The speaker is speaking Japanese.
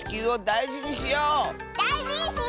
だいじにしよう！